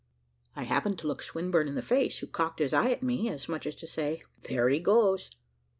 I happened to look Swinburne in the face, who cocked his eye at me, as much as to say "There he goes."